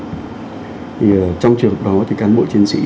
thì trong trường hợp đó thì cán bộ chiến sĩ